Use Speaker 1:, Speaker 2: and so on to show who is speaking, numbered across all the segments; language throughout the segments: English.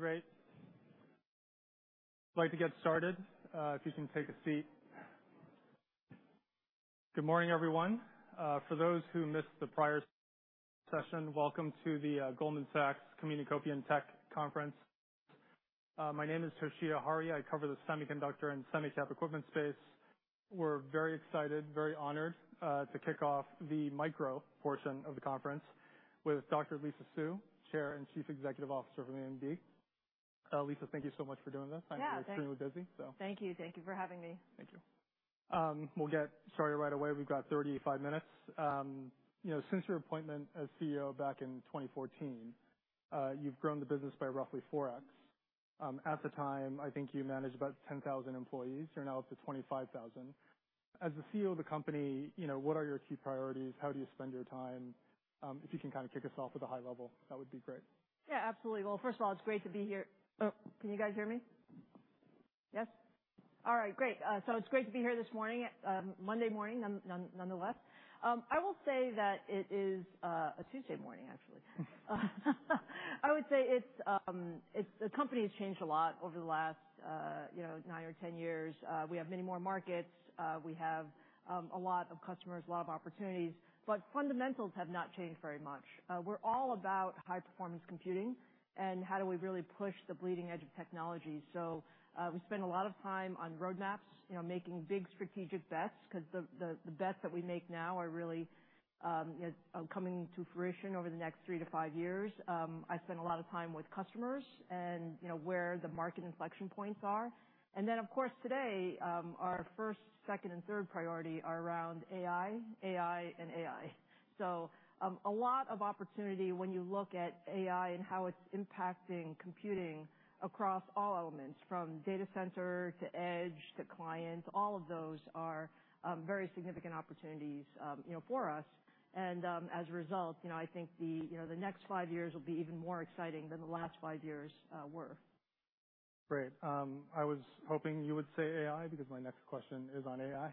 Speaker 1: Great. I'd like to get started, if you can take a seat. Good morning, everyone. For those who missed the prior session, welcome to the Goldman Sachs Communacopia + Technology Conference. My name is Toshiya Hari. I cover the semiconductor and semi-cap equipment space. We're very excited, very honored to kick off the micro portion of the conference with Dr. Lisa Su, Chair and Chief Executive Officer of AMD. Lisa, thank you so much for doing this.
Speaker 2: Yeah, thank you.
Speaker 1: I know you're extremely busy, so.
Speaker 2: Thank you. Thank you for having me.
Speaker 1: Thank you. We'll get started right away. We've got 35 minutes. You know, since your appointment as CEO back in 2014, you've grown the business by roughly 4x. At the time, I think you managed about 10,000 employees. You're now up to 25,000. As the CEO of the company what are your key priorities? How do you spend your time? If you can kind of kick us off at a high level, that would be great.
Speaker 2: Yeah, absolutely. Well, first of all, it's great to be here. Oh, can you guys hear me? Yes. All right, great. So it's great to be here this morning, Monday morning, nonetheless. I will say that it is a Tuesday morning, actually. I would say it's, the company has changed a lot over the last nine or 10 years. We have many more markets, we have a lot of customers, a lot of opportunities, but fundamentals have not changed very much. We're all about high performance computing and how do we really push the bleeding edge of technology. So, we spend a lot of time on roadmaps making big strategic bets, 'cause the bets that we make now are really coming to fruition over the next 3-5 years. I spend a lot of time with customers and where the market inflection points are. And then, of course, today, our first, second, and third priority are around AI, AI, and AI. So, a lot of opportunity when you look at AI and how it's impacting computing across all elements, from data center to edge, to client, all of those are very significant opportunities for us. And, as a result I think the next 5 years will be even more exciting than the last 5 years were.
Speaker 1: Great. I was hoping you would say AI, because my next question is on AI.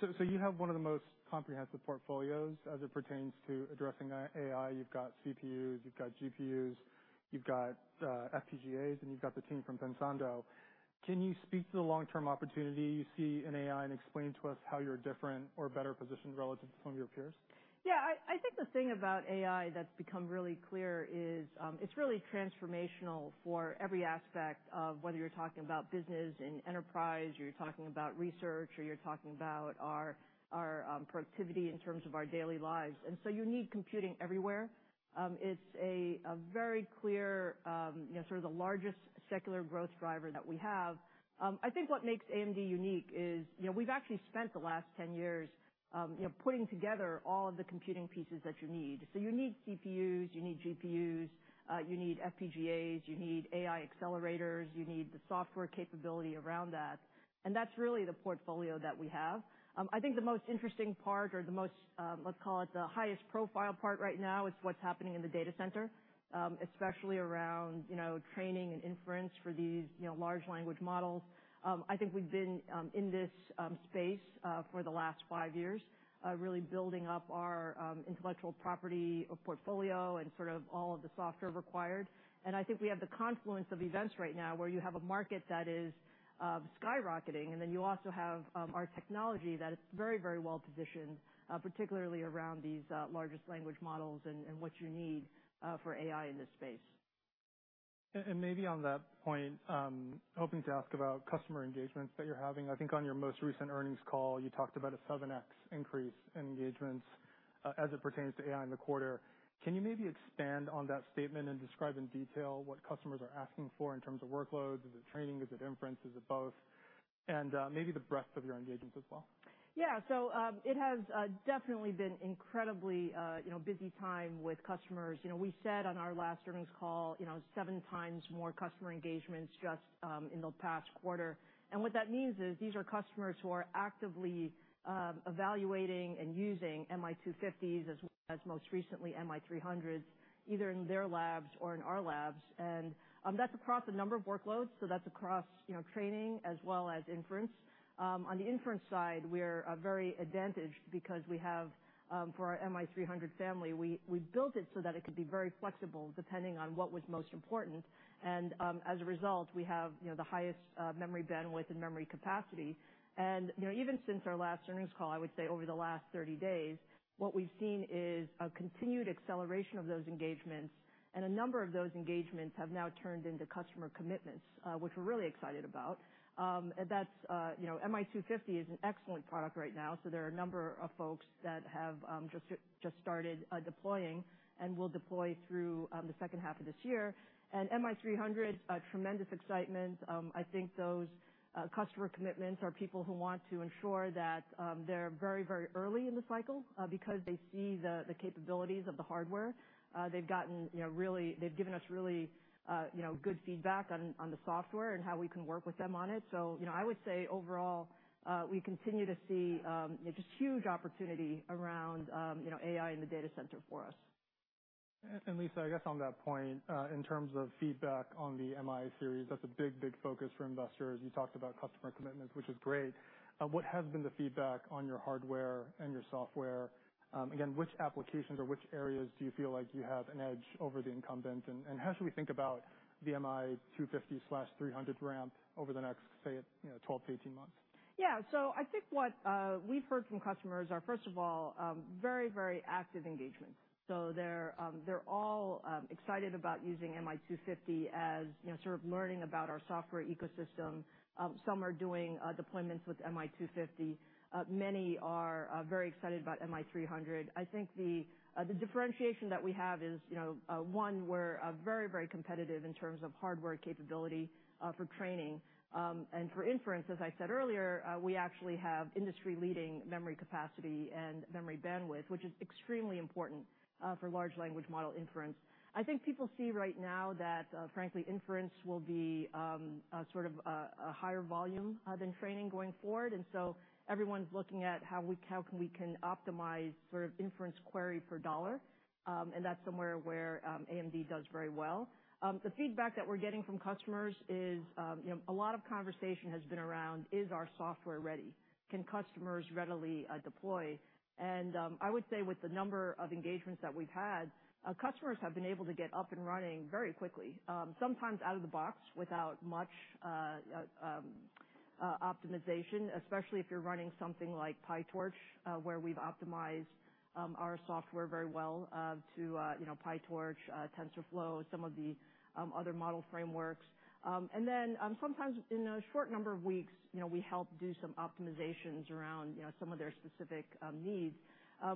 Speaker 1: So, so you have one of the most comprehensive portfolios as it pertains to addressing AI. You've got CPUs, you've got GPUs, you've got FPGAs, and you've got the team from Pensando. Can you speak to the long-term opportunity you see in AI and explain to us how you're different or better positioned relative to some of your peers?
Speaker 2: Yeah, I, I think the thing about AI that's become really clear is, it's really transformational for every aspect of whether you're talking about business and enterprise, or you're talking about research, or you're talking about our, our, productivity in terms of our daily lives. And so you need computing everywhere. It's a very clear sort of the largest secular growth driver that we have. I think what makes AMD unique is we've actually spent the last 10 years putting together all of the computing pieces that you need. So you need CPUs, you need GPUs, you need FPGAs, you need AI accelerators, you need the software capability around that. And that's really the portfolio that we have. I think the most interesting part or the most, let's call it the highest profile part right now, is what's happening in the data center, especially around training and inference for these large language models. I think we've been in this space for the last five years, really building up our intellectual property or portfolio and sort of all of the software required. I think we have the confluence of events right now, where you have a market that is skyrocketing, and then you also have our technology that is very, very well positioned, particularly around these largest language models and what you need for AI in this space.
Speaker 1: Maybe on that point, hoping to ask about customer engagements that you're having. I think on your most recent earnings call, you talked about a 7x increase in engagements as it pertains to AI in the quarter. Can you maybe expand on that statement and describe in detail what customers are asking for in terms of workloads? Is it training? Is it inference? Is it both? And maybe the breadth of your engagements as well.
Speaker 2: Yeah. So, it has definitely been incredibly busy time with customers. You know, we said on our last earnings call 7x more customer engagements just in the past quarter. And what that means is, these are customers who are actively evaluating and using MI250s, as most recently, MI300s, either in their labs or in our labs. And, that's across a number of workloads, so that's across training as well as inference. On the inference side, we're very advantaged because we have, for our MI300 family, we built it so that it could be very flexible, depending on what was most important. And, as a result, we have the highest memory bandwidth and memory capacity. You know, even since our last earnings call, I would say over the last 30 days, what we've seen is a continued acceleration of those engagements, and a number of those engagements have now turned into customer commitments, which we're really excited about. And that's MI250 is an excellent product right now, so there are a number of folks that have just started deploying and will deploy through the second half of this year. And MI300, a tremendous excitement. I think those customer commitments are people who want to ensure that they're very, very early in the cycle, because they see the capabilities of the hardware. They've given us really good feedback on the software and how we can work with them on it. so I would say overall, we continue to see just huge opportunity around AI in the data center for us.
Speaker 1: And, Lisa, I guess on that point, in terms of feedback on the MI series, that's a big, big focus for investors. You talked about customer commitments, which is great. What has been the feedback on your hardware and your software? Again, which applications or which areas do you feel like you have an edge over the incumbent? And how should we think about the MI250/300 ramp over the next, say 12-18 months?
Speaker 2: Yeah. So I think what we've heard from customers are, first of all, very, very active engagement. So they're, they're all, excited about using MI250 as sort of learning about our software ecosystem. Some are doing, deployments with MI250. Many are, very excited about MI300. I think the, the differentiation that we have is one, we're, very, very competitive in terms of hardware capability, for training. And for inference, as I said earlier, we actually have industry-leading memory capacity and memory bandwidth, which is extremely important, for large language model inference. I think people see right now that, frankly, inference will be, a sort of, a higher volume, than training going forward. Everyone's looking at how we can optimize sort of inference query per dollar, and that's somewhere where AMD does very well. The feedback that we're getting from customers is a lot of conversation has been around, is our software ready? Can customers readily deploy? I would say with the number of engagements that we've had, customers have been able to get up and running very quickly, sometimes out of the box without much optimization, especially if you're running something like PyTorch, where we've optimized our software very well to PyTorch, TensorFlow, some of the other model frameworks. And then, sometimes in a short number of weeks we help do some optimizations around some of their specific needs.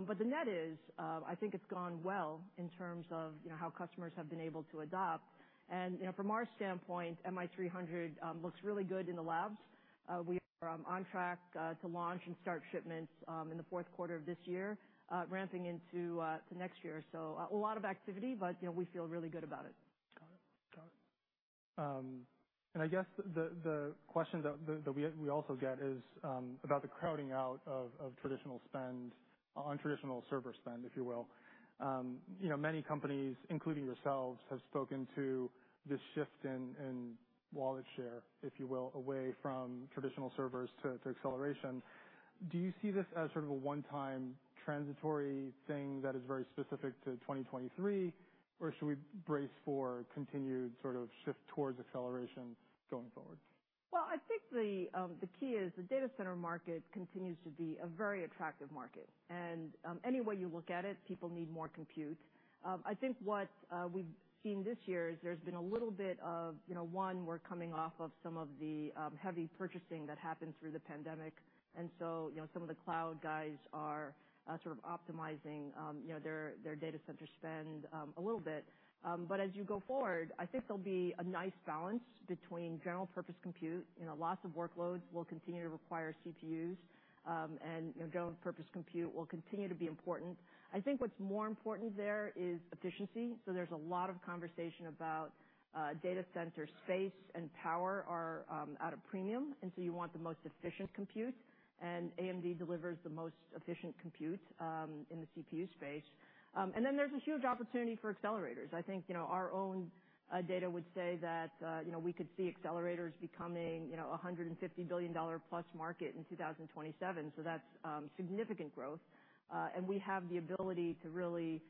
Speaker 2: But the net is, I think it's gone well in terms of how customers have been able to adopt. You know, from our standpoint, MI300 looks really good in the labs. We are on track to launch and start shipments in the fourth quarter of this year, ramping into to next year. So a lot of activity, but we feel really good about it.
Speaker 1: Got it. Got it. And I guess the question that we also get is about the crowding out of traditional spend on traditional server spend, if you will. You know, many companies, including yourselves, have spoken to this shift in wallet share, if you will, away from traditional servers to acceleration. Do you see this as sort of a one-time transitory thing that is very specific to 2023? Or should we brace for continued sort of shift towards acceleration going forward?
Speaker 2: Well, I think the key is the data center market continues to be a very attractive market, and any way you look at it, people need more compute. I think what we've seen this year is there's been a little bit of we're coming off of some of the heavy purchasing that happened through the pandemic. And so some of the cloud guys are sort of optimizing their, their data center spend a little bit. But as you go forward, I think there'll be a nice balance between general purpose compute. You know, lots of workloads will continue to require CPUs, and general purpose compute will continue to be important. I think what's more important there is efficiency. So there's a lot of conversation about data center space and power are at a premium, and so you want the most efficient compute, and AMD delivers the most efficient compute in the CPU space. And then there's a huge opportunity for accelerators. I think our own data would say that we could see accelerators becoming a $150 billion-plus market in 2027, so that's significant growth. And we have the ability to really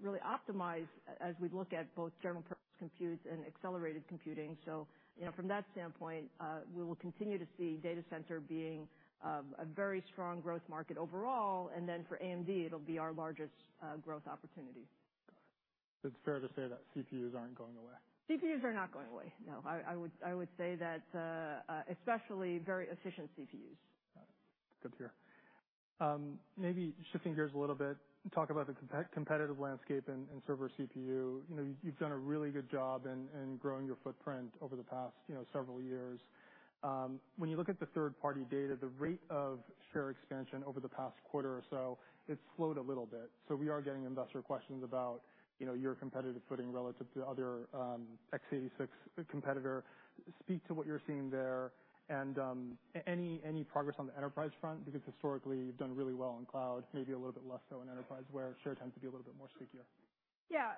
Speaker 2: really optimize as we look at both general purpose compute and accelerated computing. so from that standpoint, we will continue to see data center being a very strong growth market overall, and then for AMD, it'll be our largest growth opportunity.
Speaker 1: Got it. It's fair to say that CPUs aren't going away.
Speaker 2: CPUs are not going away, no. I would say that, especially very efficient CPUs.
Speaker 1: Got it. Good to hear. Maybe shifting gears a little bit, talk about the competitive landscape in server CPU. You know, you've done a really good job in growing your footprint over the past several years. When you look at the third-party data, the rate of share expansion over the past quarter or so, it's slowed a little bit. So we are getting investor questions about your competitive footing relative to other x86 competitor. Speak to what you're seeing there and any progress on the enterprise front? Because historically, you've done really well in cloud, maybe a little bit less so in enterprise, where share tends to be a little bit more stickier.
Speaker 2: Yeah.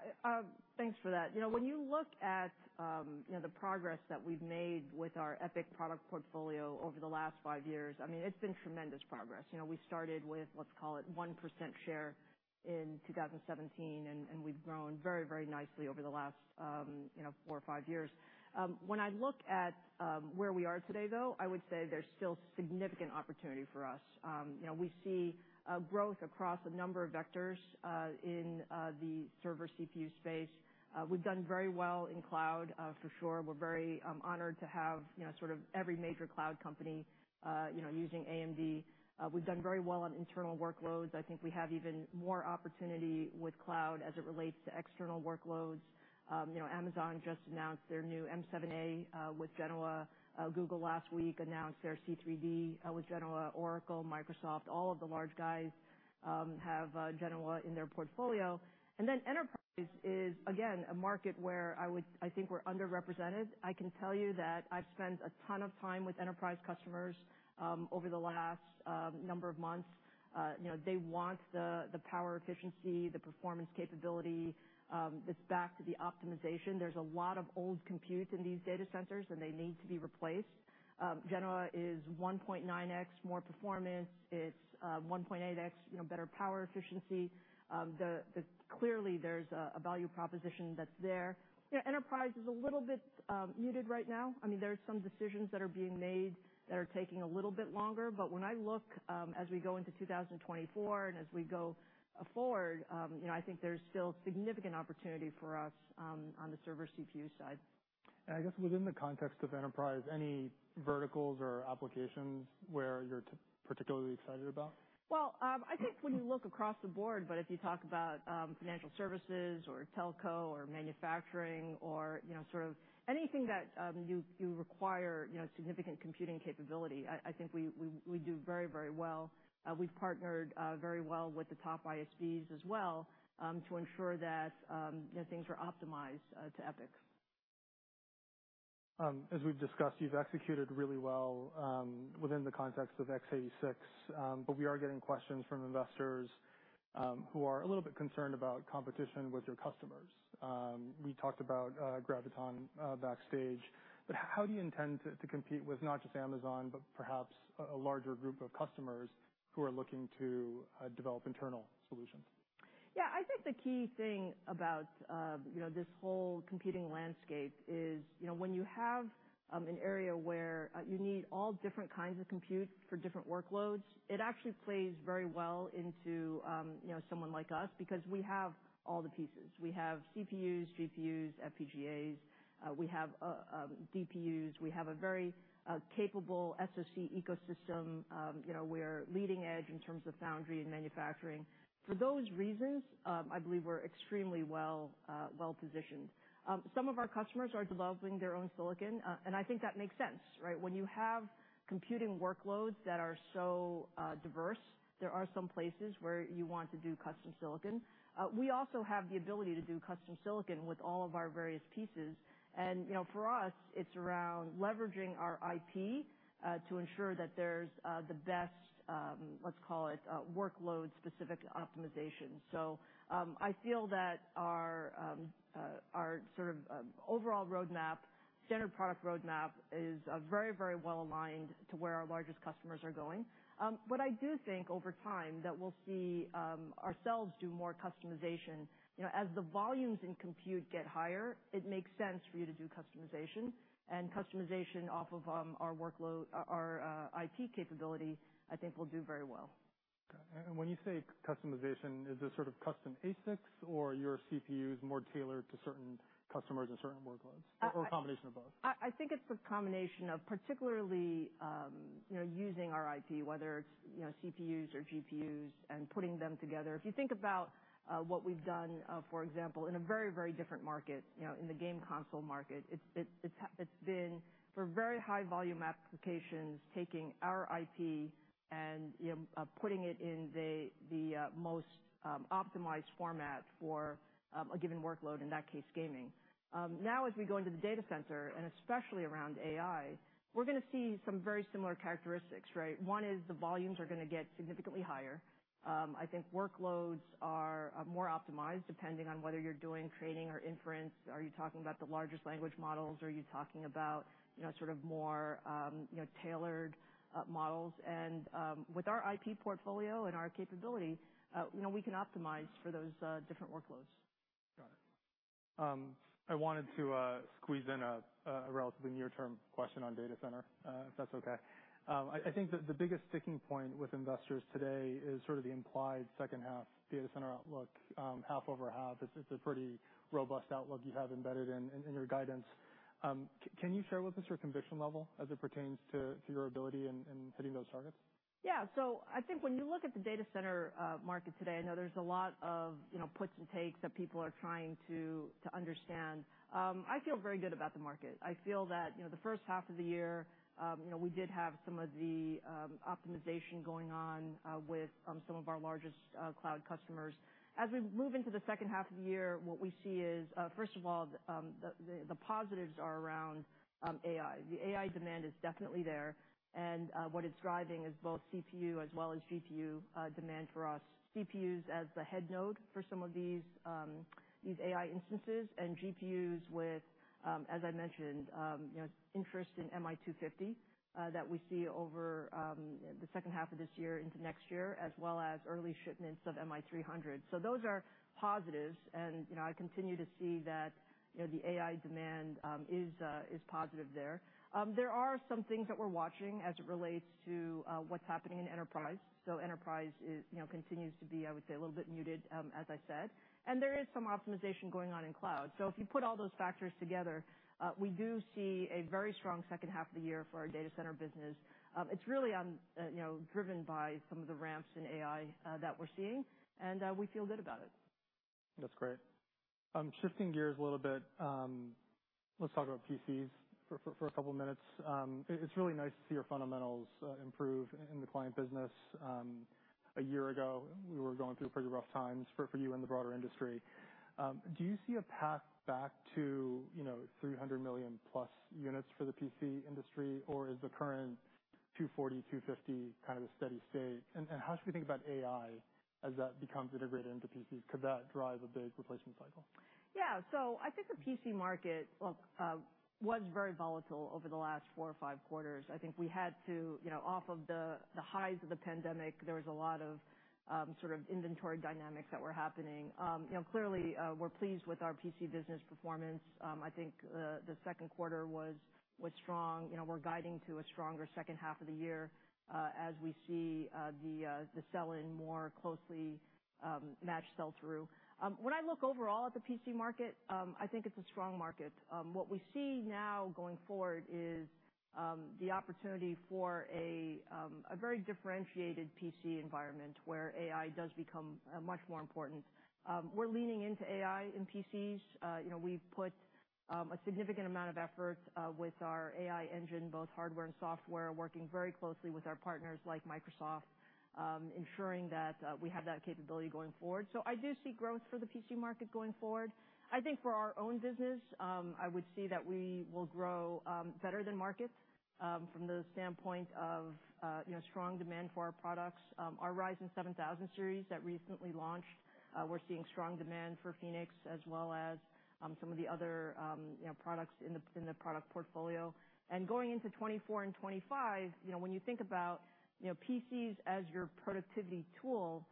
Speaker 2: Thanks for that. You know, when you look at the progress that we've made with our EPYC product portfolio over the last five years, I mean, it's been tremendous progress. You know, we started with, let's call it, 1% share in 2017, and we've grown very, very nicely over the last four or five years. When I look at, where we are today, though, I would say there's still significant opportunity for us. You know, we see growth across a number of vectors in the server CPU space. We've done very well in cloud for sure. We're very honored to have sort of every major cloud company using AMD. We've done very well on internal workloads. I think we have even more opportunity with cloud as it relates to external workloads. You know, Amazon just announced their new M7a with Genoa. Google last week announced their C3D with Genoa. Oracle, Microsoft, all of the large guys have Genoa in their portfolio. And then enterprise is, again, a market where I would—I think we're underrepresented. I can tell you that I've spent a ton of time with enterprise customers over the last number of months. You know, they want the, the power efficiency, the performance capability. It's back to the optimization. There's a lot of old compute in these data centers, and they need to be replaced. Genoa is 1.9x more performance. It's 1.8x better power efficiency. Clearly, there's a value proposition that's there. You know, enterprise is a little bit muted right now. I mean, there are some decisions that are being made that are taking a little bit longer, but when I look as we go into 2024 and as we go forward I think there's still significant opportunity for us on the server CPU side.
Speaker 1: I guess within the context of enterprise, any verticals or applications where you're particularly excited about?
Speaker 2: Well, I think when you look across the board, but if you talk about financial services or telco or manufacturing or sort of anything that you require significant computing capability, I think we do very, very well. We've partnered very well with the top ISVs as well, to ensure that things are optimized to EPYC.
Speaker 1: As we've discussed, you've executed really well within the context of x86, but we are getting questions from investors who are a little bit concerned about competition with your customers. We talked about Graviton backstage, but how do you intend to compete with not just Amazon, but perhaps a larger group of customers who are looking to develop internal solutions?
Speaker 2: Yeah, I think the key thing about this whole computing landscape is when you have an area where you need all different kinds of compute for different workloads, it actually plays very well into someone like us, because we have all the pieces. We have CPUs, GPUs, FPGAs, we have DPUs. We have a very capable SoC ecosystem. You know, we're leading edge in terms of foundry and manufacturing. For those reasons, I believe we're extremely well positioned. Some of our customers are developing their own silicon, and I think that makes sense, right? When you have computing workloads that are so diverse, there are some places where you want to do custom silicon. We also have the ability to do custom silicon with all of our various pieces, and for us, it's around leveraging our IP to ensure that there's the best, let's call it, workload-specific optimization. So, I feel that our sort of overall roadmap, standard product roadmap is very, very well aligned to where our largest customers are going. But I do think over time that we'll see ourselves do more customization. You know, as the volumes in compute get higher, it makes sense for you to do customization, and customization off of our workload, our IP capability, I think will do very well.
Speaker 1: Okay. And when you say customization, is this sort of custom ASICs or your CPU is more tailored to certain customers and certain workloads, or a combination of both?
Speaker 2: I think it's a combination of particularly using our IP, whether it's CPUs or GPUs and putting them together. If you think about what we've done, for example, in a very, very different market in the game console market, it's been for very high volume applications, taking our IP and putting it in the most optimized format for a given workload, in that case, gaming. Now as we go into the data center, and especially around AI, we're gonna see some very similar characteristics, right? One is the volumes are gonna get significantly higher. I think workloads are more optimized, depending on whether you're doing training or inference. Are you talking about the largest language models? Are you talking about sort of more tailored models? And with our IP portfolio and our capability we can optimize for those different workloads.
Speaker 1: Got it. I wanted to squeeze in a relatively near-term question on data center, if that's okay. I think the biggest sticking point with investors today is sort of the implied second half data center outlook. Half over half, it's a pretty robust outlook you have embedded in your guidance. Can you share with us your conviction level as it pertains to your ability in hitting those targets?
Speaker 2: Yeah. So I think when you look at the data center market today, I know there's a lot of puts and takes that people are trying to understand. I feel very good about the market. I feel that the first half of the year we did have some of the optimization going on with some of our largest cloud customers. As we move into the second half of the year, what we see is first of all, the positives are around AI. The AI demand is definitely there, and what it's driving is both CPU as well as GPU demand for us. CPUs as the head node for some of these AI instances, and GPUs with, as I mentioned interest in MI250, that we see over the second half of this year into next year, as well as early shipments of MI300. So those are positives, and I continue to see that the AI demand is positive there. There are some things that we're watching as it relates to what's happening in enterprise. So enterprise is continues to be, I would say, a little bit muted, as I said, and there is some optimization going on in cloud. So if you put all those factors together, we do see a very strong second half of the year for our data center business. It's really on driven by some of the ramps in AI that we're seeing, and we feel good about it.
Speaker 1: That's great. Shifting gears a little bit, let's talk about PCs for a couple minutes. It's really nice to see your fundamentals improve in the client business. A year ago, we were going through pretty rough times for you and the broader industry. Do you see a path back to 300 million plus units for the PC industry, or is the current 240-250 kind of a steady state? And how should we think about AI as that becomes integrated into PCs? Could that drive a big replacement cycle?
Speaker 2: Yeah. So I think the PC market, look, was very volatile over the last four or five quarters. I think we had to off of the highs of the pandemic, there was a lot of sort of inventory dynamics that were happening. You know, clearly, we're pleased with our PC business performance. I think the second quarter was strong. You know, we're guiding to a stronger second half of the year, as we see the sell-in more closely match sell-through. When I look overall at the PC market, I think it's a strong market. What we see now going forward is the opportunity for a very differentiated PC environment, where AI does become much more important. We're leaning into AI in PCs. You know, we've put-... A significant amount of effort with our AI engine, both hardware and software, working very closely with our partners like Microsoft, ensuring that we have that capability going forward. So I do see growth for the PC market going forward. I think for our own business, I would see that we will grow better than market from the standpoint of you know, strong demand for our products. Our Ryzen 7000 series that recently launched, we're seeing strong demand for Phoenix, as well as some of the other you know, products in the product portfolio. Going into 2024 and 2025 when you think about you know, PCs as your productivity tool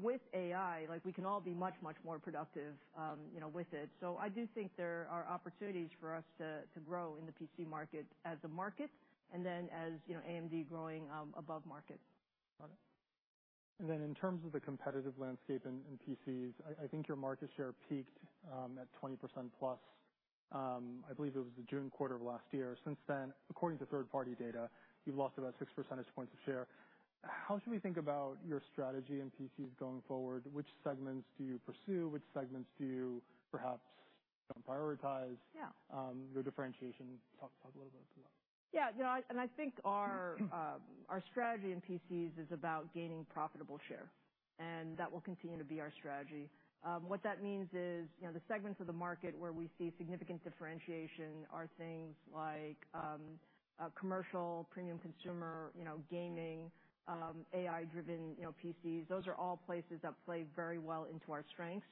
Speaker 2: with AI, like, we can all be much, much more productive you know, with it. So I do think there are opportunities for us to grow in the PC market as a market, and then as AMD growing above market.
Speaker 1: Got it. And then in terms of the competitive landscape in PCs, I think your market share peaked at 20% plus. I believe it was the June quarter of last year. Since then, according to third-party data, you've lost about six percentage points of share. How should we think about your strategy in PCs going forward? Which segments do you pursue? Which segments do you perhaps deprioritize?
Speaker 2: Yeah.
Speaker 1: Your differentiation. Talk a little bit about that.
Speaker 2: Yeah. You know, and I think our strategy in PCs is about gaining profitable share, and that will continue to be our strategy. What that means is the segments of the market where we see significant differentiation are things like, commercial, premium consumer gaming, AI-driven PCs. Those are all places that play very well into our strengths.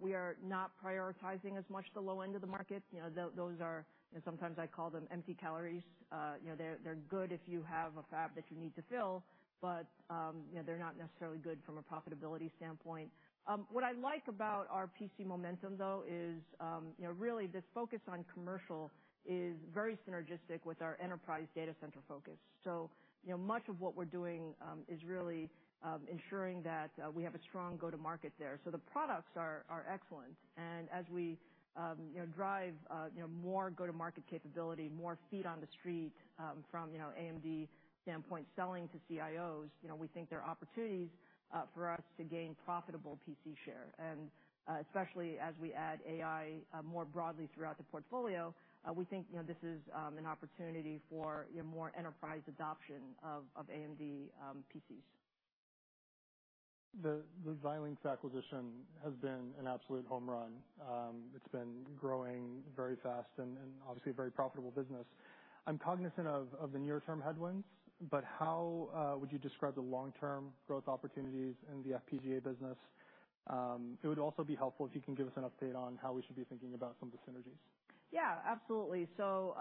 Speaker 2: We are not prioritizing as much the low end of the market. You know, those are sometimes I call them empty calories. You know, they're good if you have a fab that you need to fill, but they're not necessarily good from a profitability standpoint. What I like about our PC momentum, though, is really this focus on commercial is very synergistic with our enterprise data center focus. so much of what we're doing is really ensuring that we have a strong go-to-market there. So the products are excellent, and as we drive more go-to-market capability, more feet on the street, from AMD standpoint, selling to CIOs we think there are opportunities for us to gain profitable PC share. Especially as we add AI more broadly throughout the portfolio, we think this is an opportunity for more enterprise adoption of AMD PCs.
Speaker 1: The Xilinx acquisition has been an absolute home run. It's been growing very fast and obviously a very profitable business. I'm cognizant of the near-term headwinds, but how would you describe the long-term growth opportunities in the FPGA business? It would also be helpful if you can give us an update on how we should be thinking about some of the synergies.
Speaker 2: Yeah, absolutely. So,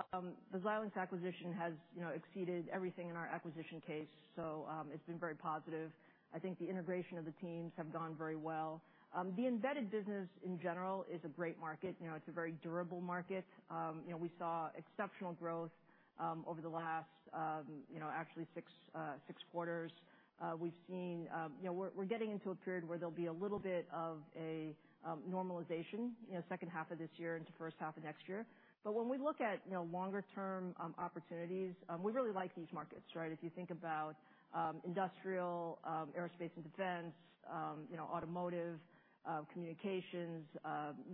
Speaker 2: the Xilinx acquisition has exceeded everything in our acquisition case, so, it's been very positive. I think the integration of the teams have gone very well. The embedded business in general is a great market. You know, it's a very durable market. You know, we saw exceptional growth over the last actually 6 quarters. We've seen. You know, we're getting into a period where there'll be a little bit of a normalization second half of this year into first half of next year. But when we look at longer-term opportunities, we really like these markets, right? If you think about industrial, aerospace and defense automotive, communications,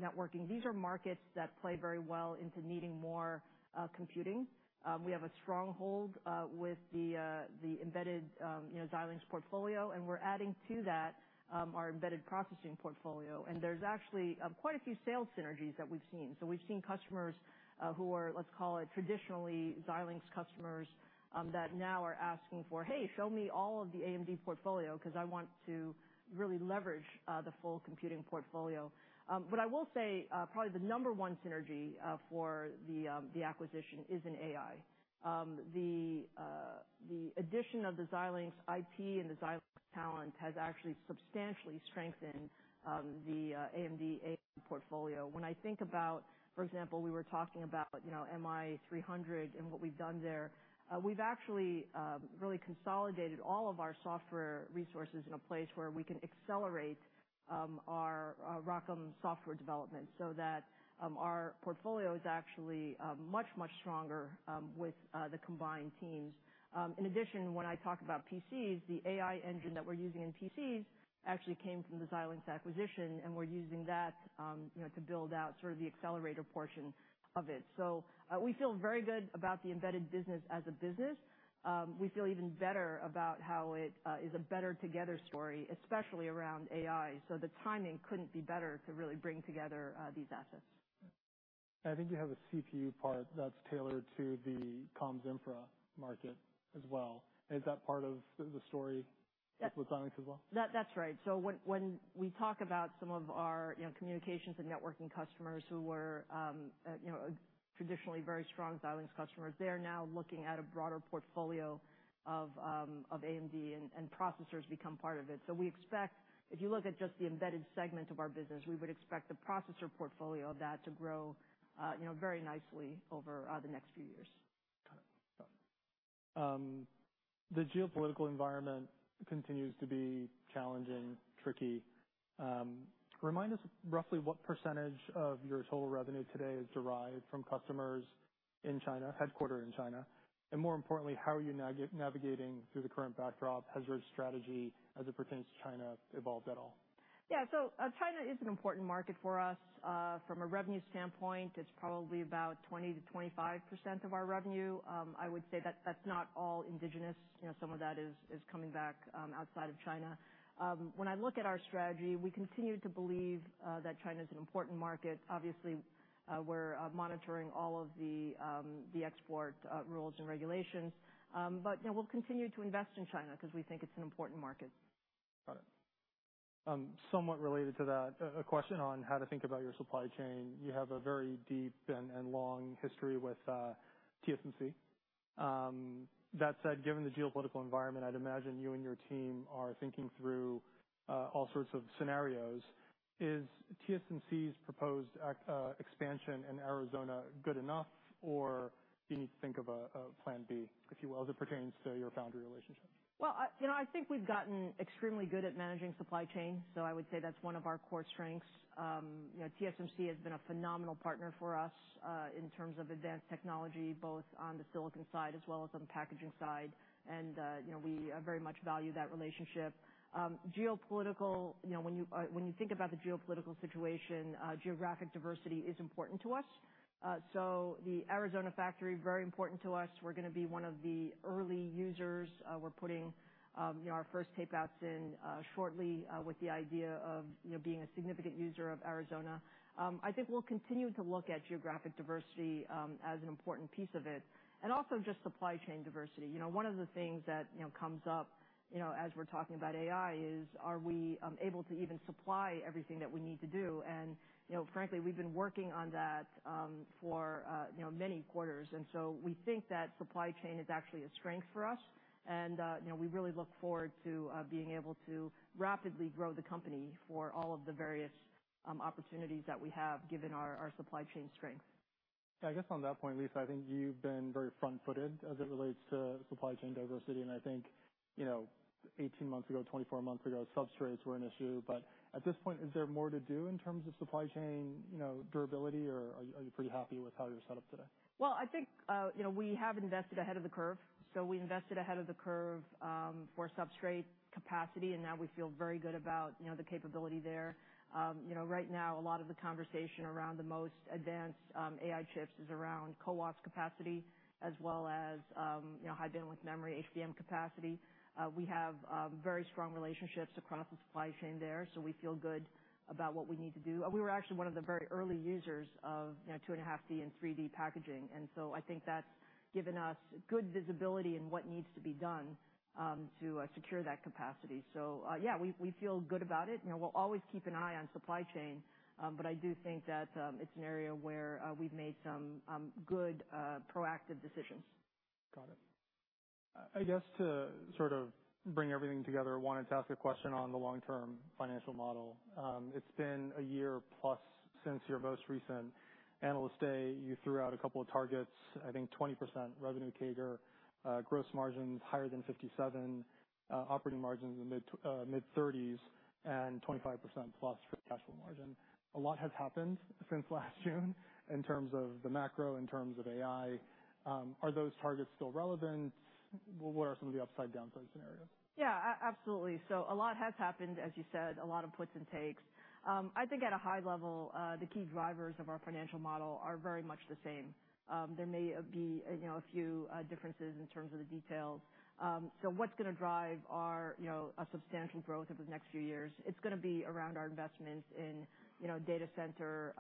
Speaker 2: networking, these are markets that play very well into needing more computing. We have a stronghold with the embedded Xilinx portfolio, and we're adding to that our embedded processing portfolio. And there's actually quite a few sales synergies that we've seen. So we've seen customers who are, let's call it, traditionally Xilinx customers, that now are asking for, "Hey, show me all of the AMD portfolio, 'cause I want to really leverage the full computing portfolio." But I will say probably the number one synergy for the acquisition is in AI. The addition of the Xilinx IP and the Xilinx talent has actually substantially strengthened the AMD AI portfolio. When I think about, for example, we were talking about MI300 and what we've done there, we've actually really consolidated all of our software resources in a place where we can accelerate our ROCm software development, so that our portfolio is actually much, much stronger with the combined teams. In addition, when I talk about PCs, the AI engine that we're using in PCs actually came from the Xilinx acquisition, and we're using that to build out sort of the accelerator portion of it. So, we feel very good about the embedded business as a business. We feel even better about how it is a better together story, especially around AI, so the timing couldn't be better to really bring together these assets.
Speaker 1: I think you have a CPU part that's tailored to the comms infra market as well. Is that part of the story with Xilinx as well?
Speaker 2: That, that's right. So when we talk about some of our communications and networking customers who were you know traditionally very strong Xilinx customers, they're now looking at a broader portfolio of AMD, and processors become part of it. So we expect, if you look at just the embedded segment of our business, we would expect the processor portfolio of that to grow very nicely over the next few years.
Speaker 1: Got it. The geopolitical environment continues to be challenging, tricky. Remind us roughly what percentage of your total revenue today is derived from customers in China, headquartered in China? And more importantly, how are you navigating through the current backdrop? Has your strategy as it pertains to China evolved at all?
Speaker 2: Yeah. So, China is an important market for us. From a revenue standpoint, it's probably about 20%-25% of our revenue. I would say that's not all indigenous some of that is coming back outside of China. When I look at our strategy, we continue to believe that China's an important market. Obviously, we're monitoring all of the export rules and regulations. but we'll continue to invest in China because we think it's an important market.
Speaker 1: Got it. Somewhat related to that, a question on how to think about your supply chain. You have a very deep and long history with TSMC. That said, given the geopolitical environment, I'd imagine you and your team are thinking through all sorts of scenarios. Is TSMC's proposed expansion in Arizona good enough, or do you need to think of a plan B, if you will, as it pertains to your foundry relationship?
Speaker 2: Well, I think we've gotten extremely good at managing supply chain, so I would say that's one of our core strengths. You know, TSMC has been a phenomenal partner for us, in terms of advanced technology, both on the silicon side as well as on the packaging side, and we, very much value that relationship. geopolitical when you, when you think about the geopolitical situation, geographic diversity is important to us. So the Arizona factory, very important to us. We're gonna be one of the early users. We're putting our first tape-outs in, shortly, with the idea of being a significant user of Arizona. I think we'll continue to look at geographic diversity, as an important piece of it, and also just supply chain diversity. You know, one of the things that comes up as we're talking about AI is, are we able to even supply everything that we need to do? and frankly, we've been working on that, for many quarters. And so we think that supply chain is actually a strength for us, and we really look forward to, being able to rapidly grow the company for all of the various, opportunities that we have, given our, our supply chain strength.
Speaker 1: I guess on that point, Lisa, I think you've been very front-footed as it relates to supply chain diversity, and I think 18 months ago, 24 months ago, substrates were an issue. But at this point, is there more to do in terms of supply chain durability, or are you, are you pretty happy with how you're set up today?
Speaker 2: Well, I think we have invested ahead of the curve. So we invested ahead of the curve, for substrate capacity, and now we feel very good about the capability there. You know, right now, a lot of the conversation around the most advanced, AI chips is around CoWoS capacity, as well as high bandwidth memory, HBM capacity. We have, very strong relationships across the supply chain there, so we feel good about what we need to do. We were actually one of the very early users of 2.5D and 3D packaging, and so I think that's given us good visibility in what needs to be done, to, secure that capacity. So, yeah, we feel good about it. We'll always keep an eye on supply chain, but I do think that it's an area where we've made some good proactive decisions.
Speaker 1: Got it. I guess to sort of bring everything together, I wanted to ask a question on the long-term financial model. It's been a year plus since your most recent analyst day. You threw out a couple of targets, I think 20% revenue CAGR, gross margins higher than 57%, operating margins in the mid-30s, and 25%+ for cash flow margin. A lot has happened since last June in terms of the macro, in terms of AI. Are those targets still relevant? What are some of the upside down scenarios?
Speaker 2: Yeah, absolutely. So a lot has happened, as you said, a lot of puts and takes. I think at a high level, the key drivers of our financial model are very much the same. There may be a few differences in terms of the details. So what's gonna drive our a substantial growth over the next few years? It's gonna be around our investments in data center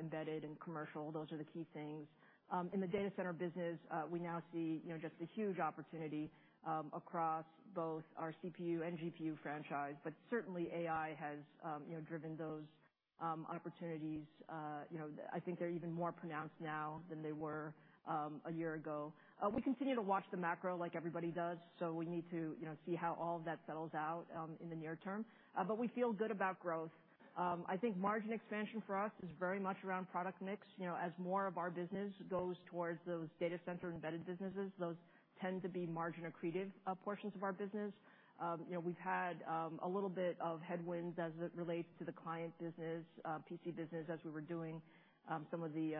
Speaker 2: embedded and commercial. Those are the key things. In the data center business, we now see just a huge opportunity across both our CPU and GPU franchise, but certainly AI has driven those opportunities. You know, I think they're even more pronounced now than they were a year ago. We continue to watch the macro like everybody does, so we need to see how all of that settles out, in the near term. But we feel good about growth. I think margin expansion for us is very much around product mix. You know, as more of our business goes towards those data center embedded businesses, those tend to be margin accretive, portions of our business. You know, we've had, a little bit of headwinds as it relates to the client business, PC business, as we were doing, some of the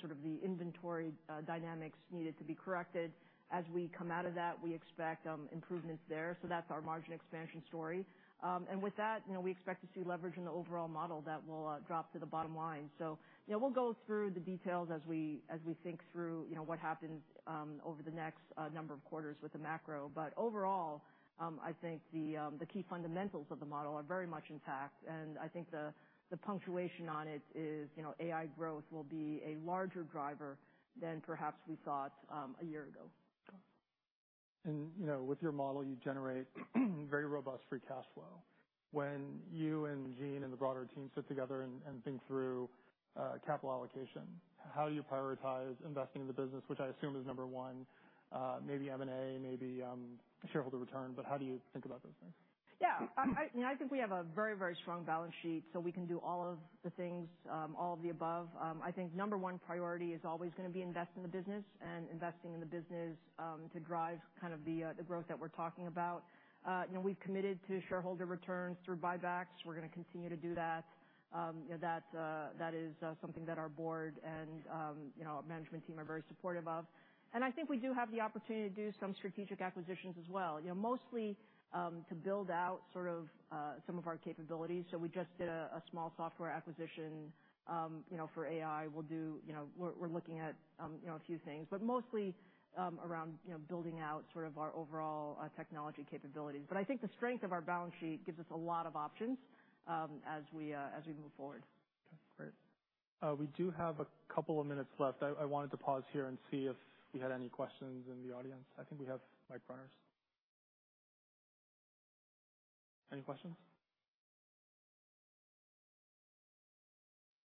Speaker 2: sort of the inventory, dynamics needed to be corrected. As we come out of that, we expect, improvements there, so that's our margin expansion story. With that we expect to see leverage in the overall model that will drop to the bottom line. so we'll go through the details as we think through what happens over the next number of quarters with the macro. But overall, I think the key fundamentals of the model are very much intact, and I think the punctuation on it is AI growth will be a larger driver than perhaps we thought a year ago.
Speaker 1: You know, with your model, you generate very robust free cash flow. When you and Jean and the broader team sit together and think through capital allocation, how do you prioritize investing in the business, which I assume is number one, maybe M&A, maybe shareholder return, but how do you think about those things?
Speaker 2: Yeah, I think we have a very, very strong balance sheet, so we can do all of the things, all of the above. I think number one priority is always going to be invest in the business and investing in the business, to drive kind of the growth that we're talking about. You know, we've committed to shareholder returns through buybacks. We're going to continue to do that. You know, that is something that our board and our management team are very supportive of. I think we do have the opportunity to do some strategic acquisitions as well mostly to build out sort of some of our capabilities. So we just did a small software acquisition for AI. We're looking at you know, a few things, but mostly around you know, building out sort of our overall technology capabilities. But I think the strength of our balance sheet gives us a lot of options as we move forward.
Speaker 1: Okay, great. We do have a couple of minutes left. I wanted to pause here and see if we had any questions in the audience. I think we have mic runners. Any questions?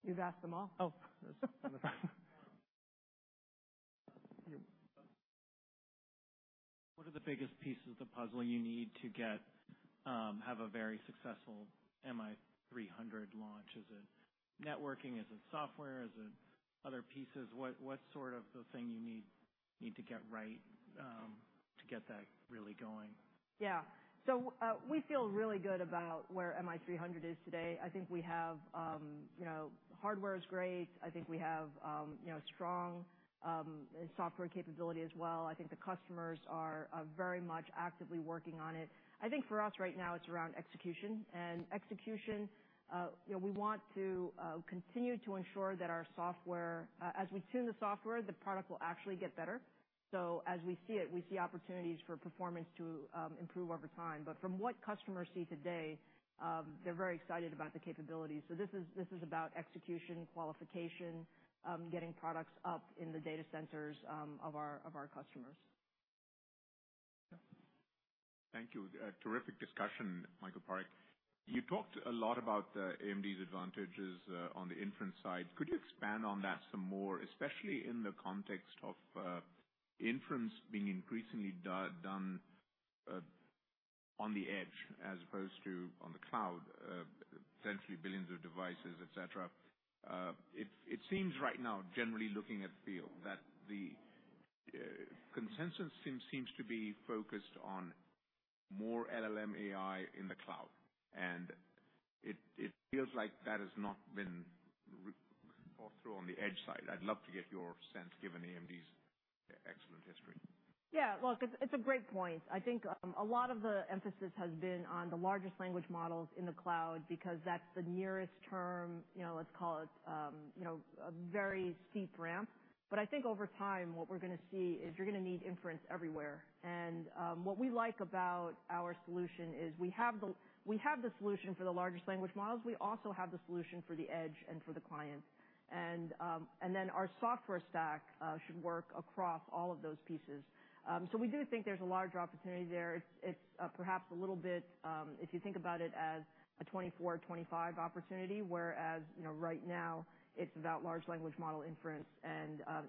Speaker 2: You've asked them all.
Speaker 1: Oh. What are the biggest pieces of the puzzle you need to get, have a very successful MI300 launch? Is it networking? Is it software? Is it other pieces? What's sort of the thing you need to get right, to get that really going?
Speaker 2: Yeah. So, we feel really good about where MI300 is today. I think we have hardware is great. I think we have strong software capability as well. I think the customers are very much actively working on it. I think for us right now, it's around execution. And execution we want to continue to ensure that our software, as we tune the software, the product will actually get better. So as we see it, we see opportunities for performance to improve over time. But from what customers see today, they're very excited about the capabilities. So this is about execution, qualification, getting products up in the data centers of our customers.
Speaker 1: Yeah. Thank you. Terrific discussion, Lisa Su. You talked a lot about AMD's advantages on the inference side. Could you expand on that some more, especially in the context of inference being increasingly done on the edge as opposed to on the cloud, essentially billions of devices, et cetera. It seems right now, generally looking at the field, that the consensus seems to be focused on more LLM AI in the cloud, and it feels like that has not been re-thought through on the edge side. I'd love to get your sense, given AMD's excellent history.
Speaker 2: Yeah. Look, it's a great point. I think a lot of the emphasis has been on the largest language models in the cloud, because that's the nearest term let's call it a very steep ramp. But I think over time, what we're going to see is you're going to need inference everywhere. And what we like about our solution is we have the, we have the solution for the largest language models. We also have the solution for the edge and for the client. And, and then our software stack should work across all of those pieces. So we do think there's a large opportunity there. It's perhaps a little bit, if you think about it as a 24-25 opportunity, whereas right now it's about large language model inference.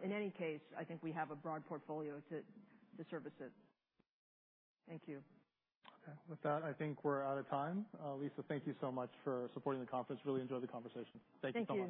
Speaker 2: In any case, I think we have a broad portfolio to service it. Thank you.
Speaker 1: Okay. With that, I think we're out of time. Lisa, thank you so much for supporting the conference. Really enjoyed the conversation. Thank you so much.